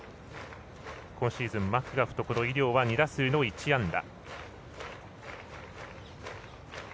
今シーズンマクガフと井領は２打数の１安打。